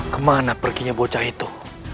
kemana perginya bocah itu